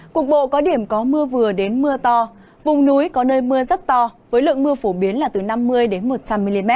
cục bộ có điểm có mưa vừa đến mưa to vùng núi có nơi mưa rất to với lượng mưa phổ biến là từ năm mươi một trăm linh mm